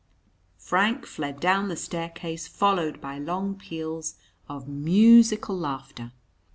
Frank fled down the staircase followed by long peals of musical laughter.